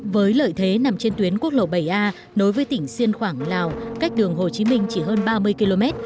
với lợi thế nằm trên tuyến quốc lộ bảy a nối với tỉnh siêng khoảng lào cách đường hồ chí minh chỉ hơn ba mươi km